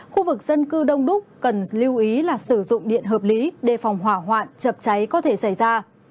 khu vực dân cư đông đúc cần lưu ý là sử dụng điện hợp lý đề phòng hỏa hoạn chập cháy có thể xảy ra